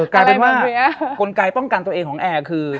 กลไกลป้องกันตัวเองของแอร์คือ